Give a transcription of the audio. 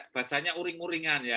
bahasanya uring uringan ya